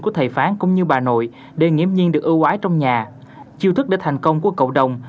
của thầy phán cũng như bà nội để nghiêm nhiên được ưu ái trong nhà chiêu thức để thành công của cậu đồng